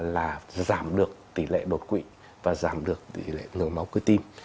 là giảm được tỉ lệ đột quỵ và giảm được tỉ lệ nửa máu cư tim